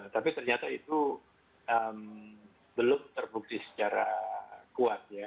tapi ternyata itu belum terbukti secara kuat ya